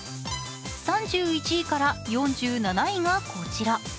３１位から４７位がこちら。